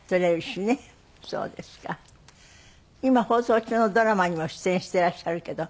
今放送中のドラマにも出演していらっしゃるけど。